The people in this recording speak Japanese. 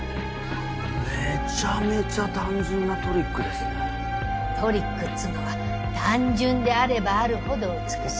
めちゃめちゃ単純なトリックですねトリックっつうのは単純であればあるほ